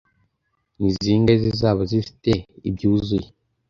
ni zingahe zizaba zifite ibyuzuye